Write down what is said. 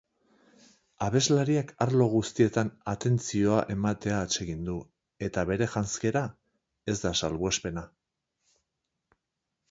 Abeslariak arlo guztietan atentzioa ematea atsegin du eta bere janzkera ez da salbuespena.